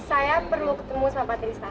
saya perlu ketemu sama pak tristan